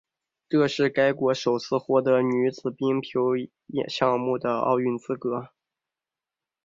这是该国首次获得女子冰球项目的奥运资格。